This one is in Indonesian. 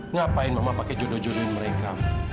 ngapain mama pakai jodoh jodoh mereka